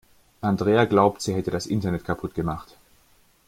Andrea glaubt, sie hätte das Internet kaputt gemacht.